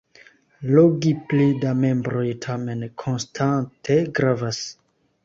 Logi pli da membroj tamen konstante gravas.